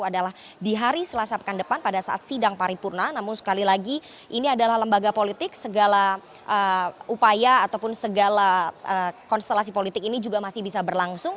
adalah di hari selasa pekan depan pada saat sidang paripurna namun sekali lagi ini adalah lembaga politik segala upaya ataupun segala konstelasi politik ini juga masih bisa berlangsung